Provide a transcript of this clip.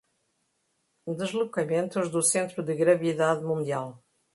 Deslocamentos do Centro de Gravidade Mundial